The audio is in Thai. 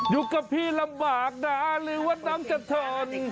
อยู่กับพี่ลำบากนะหรือว่าน้ำจะทน